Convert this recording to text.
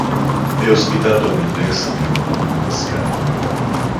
È ospitato nell'ex-tribunale di Pescara.